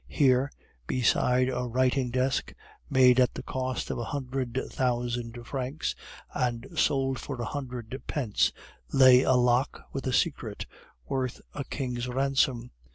Here, beside a writing desk, made at the cost of 100,000 francs, and sold for a hundred pence, lay a lock with a secret worth a king's ransom.